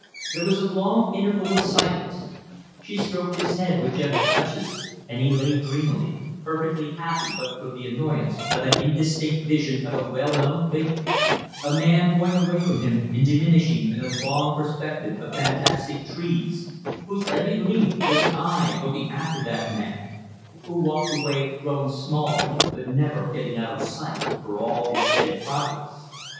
There was a long interval of silence. She stroked his head with gentle touches, and he lay dreamily, perfectly happy but for the annoyance of an indistinct vision of a well known figure; a man going away from him and diminishing in a long perspective of fantastic trees, whose every leaf was an eye looking after that man, who walked away growing smaller, but never getting out of sight for all his steady progress.